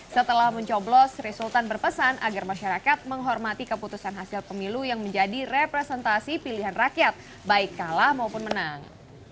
setelah mencoblos sri sultan berpesan agar masyarakat menghormati keputusan hasil pemilu yang menjadi representasi pilihan rakyat baik kalah maupun menang